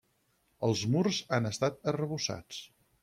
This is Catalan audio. Els murs han estat arrebossats.